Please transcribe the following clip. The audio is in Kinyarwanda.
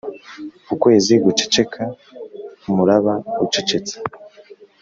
ukwezi guceceka, umuraba ucecetse